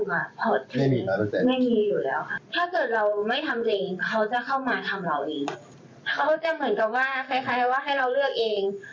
หรือว่าจะให้เราเอาคัตเตอร์บางทีเขาก็จะสั่งของเขาเอง